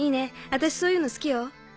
私そういうの好きよ。